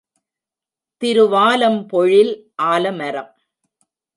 திருவாலம் பொழில் ஆலமரம்.